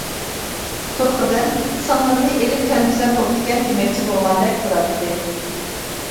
تۇرقىدىن «سىڭلىمنى ئېلىپ كەلمىسەم بوپتىكەن» دېمەكچى بولغاندەك تۇراتتى.